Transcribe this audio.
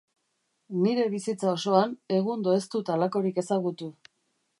Nire bizitza osoan egundo ez dut halakorik ezagutu.